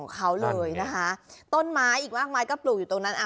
เขาเลยนะคะต้นไม้อีกมากมายก็ปลูกอยู่ตรงนั้นอ่ะ